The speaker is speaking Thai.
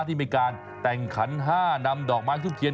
ที่มีการแต่งขัน๕นำดอกไม้ทุบเทียน